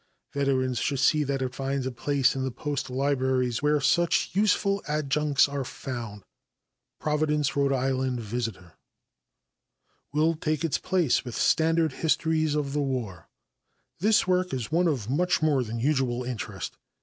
Veterans should see that it finds a place in the post libraries, where such useful adjuncts are found. Providence (R. I.) Visitor. "Will Take Its Place With Standard Histories of the War." This work is one of much more than usual interest.